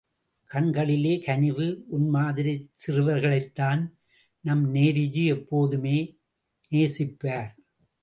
கண்களிலே கனிவு, உன் மாதிரிச் சிறுவர்களைத்தான் நம் நேருஜி எப்போதுமே நேசிப்பார்.